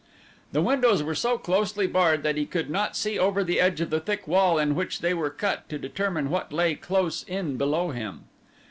The windows were so closely barred that he could not see over the edge of the thick wall in which they were cut to determine what lay close in below him.